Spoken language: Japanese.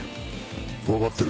分かってる。